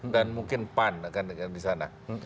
dan mungkin pan akan di sana